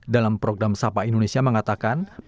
dalam program sapa indonesia mengatakan